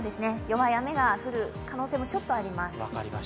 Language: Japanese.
弱い雨が降る可能性もちょっとあります。